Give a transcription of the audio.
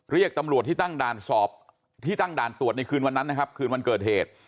เรียกตำรวจที่ตั้งด่านตรวจในคืนวันนั้นคืนวันเกิดเหตุ